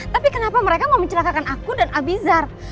tapi kenapa mereka mau mencelakakan aku dan abizar